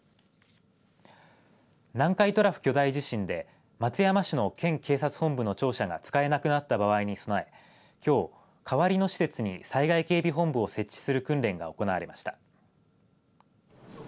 南海トラフ巨大地震で松山市の県警察本部の庁舎が使えなくなった場合に備えきょう、代わりの施設に災害警備本部を設置する訓練が行われました。